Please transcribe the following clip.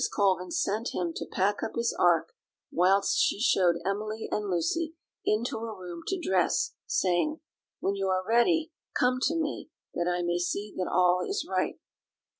Colvin set him to pack up his ark, whilst she showed Emily and Lucy into a room to dress, saying: "When you are ready, come to me, that I may see that all is right."